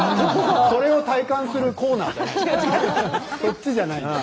それを体感するコーナーじゃない。